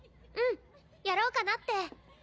うんやろうかなって。